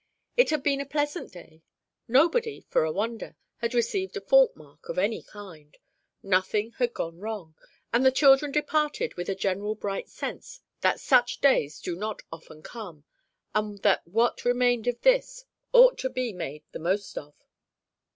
It had been a pleasant day. Nobody, for a wonder, had received a fault mark of any kind; nothing had gone wrong, and the children departed with a general bright sense that such days do not often come, and that what remained of this ought to be made the most of.